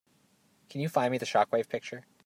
Can you find me the Shockwave picture?